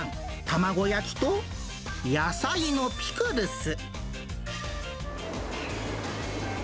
卵焼きと野菜のピクルス。